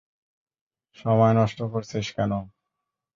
সময় নষ্ট করছিস কেন?